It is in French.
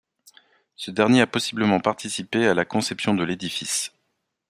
Ce dernier a possiblement participer à la conception de l'édifice.